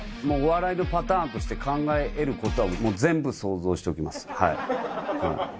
もうお笑いのパターンとして考えうることは、もう全部想像しときます。